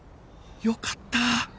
よかった！